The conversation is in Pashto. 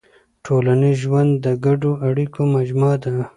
ټولنیز ژوند د ګډو اړیکو مجموعه ده.